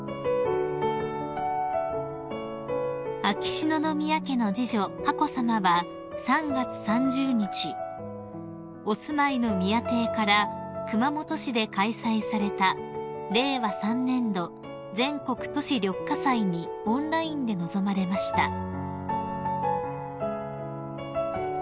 ［秋篠宮家の次女佳子さまは３月３０日お住まいの宮邸から熊本市で開催された令和３年度全国都市緑化祭にオンラインで臨まれました］